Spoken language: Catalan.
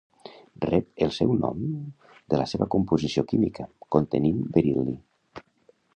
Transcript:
Rep el seu nom de la seva composició química, contenint beril·li.